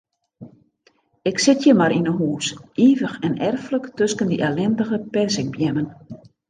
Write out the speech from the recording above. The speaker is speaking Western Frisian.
Ik sit hjir mar yn 'e hûs, ivich en erflik tusken dy ellindige perzikbeammen.